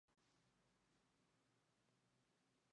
Sin embargo, en el caso de Li Ye no fue únicamente esta la razón.